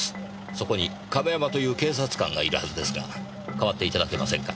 そこに亀山という警察官がいるはずですが代わっていただけませんか？